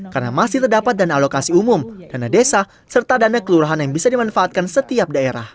karena masih terdapat dana alokasi umum dana desa serta dana kelurahan yang bisa dimanfaatkan setiap